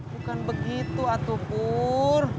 bukan begitu atukur